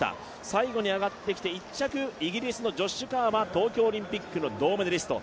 最後に上がってきて１着、イギリスのジョッシュ・カーは東京オリンピックの銅メダリスト。